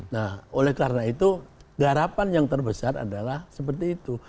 nah oleh karena itu garapan yang terbesar adalah seperti itu